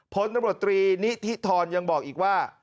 โพสต์นำรวดตรีณิธิธรณ์ยังบอกอีกว่า